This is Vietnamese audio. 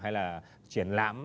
hay là triển lãm